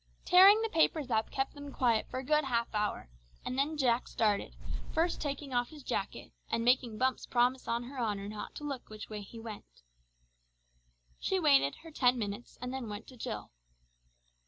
Tearing the papers up kept them quiet for a good half hour, and then Jack started, first taking off his jacket, and making Bumps promise on her honour not to look which way he went. She waited her ten minutes and then went to Jill.